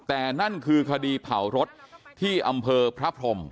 แต่นั่นคือคดีเผารถที่อำเภอพระพรม